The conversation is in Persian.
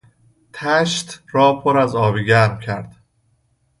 تشت را پر از آب گرم کرد.